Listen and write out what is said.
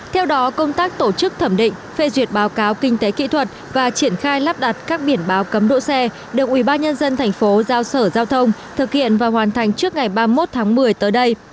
theo đó công tác tổ chức thẩm định phê duyệt báo cáo kinh tế kỹ thuật và triển khai lắp đặt các biển báo cấm đỗ xe được ubnd tp giao sở giao thông thực hiện và hoàn thành trước ngày ba mươi một tháng một mươi tới đây